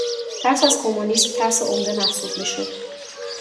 ترس از کمونیسم ترس عمده محسوب میشد.